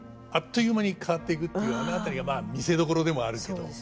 あっという間に変わっていくっていうあの辺りがまあ見せどころでもあるけど。